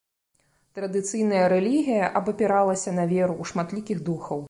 Традыцыйная рэлігія абапіралася на веру ў шматлікіх духаў.